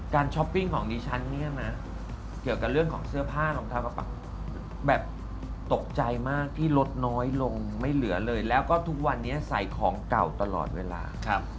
ช้อปปิ้งของดิฉันเนี่ยนะเกี่ยวกับเรื่องของเสื้อผ้ารองเท้ามาปักแบบตกใจมากที่ลดน้อยลงไม่เหลือเลยแล้วก็ทุกวันนี้ใส่ของเก่าตลอดเวลา